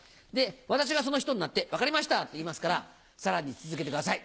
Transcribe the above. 私がその人になって「分かりました」って言いますからさらに続けてください。